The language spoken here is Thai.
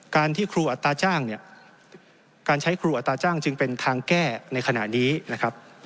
การที่ครูอัตราจ้างเนี่ยการใช้ครูอัตราจ้างจึงเป็นทางแก้ในขณะนี้นะครับ